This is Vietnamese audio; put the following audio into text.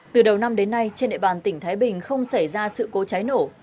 từ đầu năm đến nay trên địa bàn tỉnh thái bình không xảy ra sự cố cháy nổ